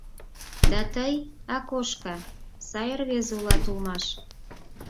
— Да тый, Акошка, сай рвезе улат улмаш.